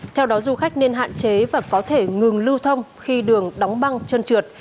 theo đó du khách nên hạn chế và có thể ngừng lưu thông khi đường đóng băng chân trượt